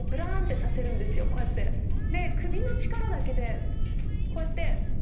首の力だけでこうやって。